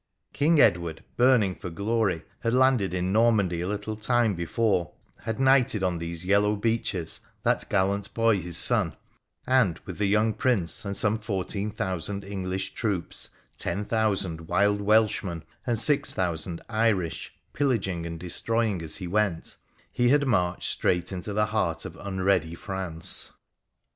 King Edward, burning for glory, had landed in Nor mandy a little time before, had knighted on these yellow beaches that gallant boy his son, and with the young Prince and some fourteen thousand English troops, ten thousand wild Welshmen, and six thousand Irish, pillaging and destroying as he went, he had marched straight into the heart of unready France.